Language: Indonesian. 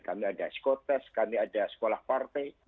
kami ada skotest kami ada sekolah partai